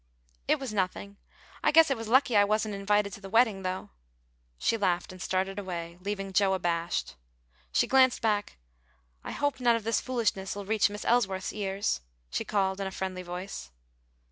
"It was nothing. I guess it was lucky I wasn't invited to the wedding, though." She laughed, and started away, leaving Joe abashed. She glanced back. "I hope none of this foolishness'll reach Mis' Elsworth's ears," she called, in a friendly voice.